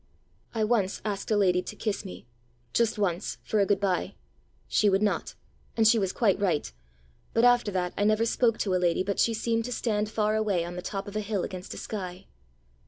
I once asked a lady to kiss me just once, for a good bye: she would not and she was quite right; but after that I never spoke to a lady but she seemed to stand far away on the top of a hill against a sky."